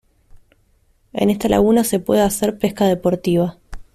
En esta laguna se puede hacer pesca deportiva.